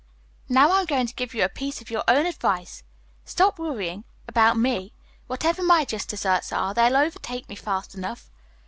Now I am going to give you a piece of your own advice. Stop worrying about me. Whatever my just desserts are, they'll overtake me fast enough.